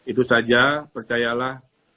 itu saja percayalah